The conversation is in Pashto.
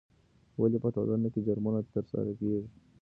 ولې په ټولنه کې جرمونه ترسره کیږي؟